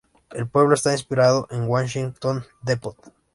El pueblo está inspirado en Washington Depot.